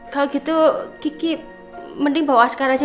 kalau gitu kiki mending bawa askar aja